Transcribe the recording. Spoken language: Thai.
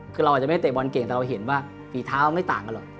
คือเราอาจจะไม่ได้เตะบอลเก่งแต่เราเห็นว่าฝีเท้าไม่ต่างกันหรอก